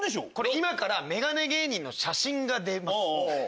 今からメガネ芸人の写真が出ます。